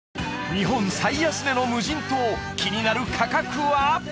日本最安値の無人島気になる価格は？